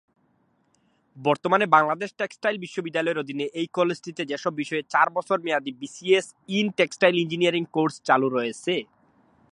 বর্তমানে বাংলাদেশ টেক্সটাইল বিশ্ববিদ্যালয়ের অধীনে এই কলেজটিতে যেসব বিষয়ে চার বছর মেয়াদী BSc in textile engineering course চালু রয়েছেঃ-